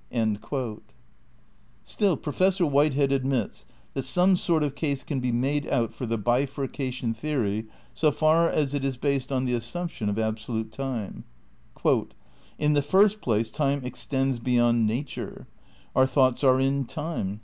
* Still Professor Whitehead admits that some sort of case can be made out for the bifurcation theory so far as it is based on the assumption of absolute time : "In the first place time extends beyond nature. Our thoughts are in time.